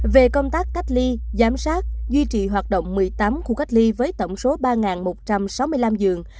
về công tác cách ly giám sát duy trì hoạt động một mươi tám khu cách ly với tổng số ba một trăm sáu mươi năm giường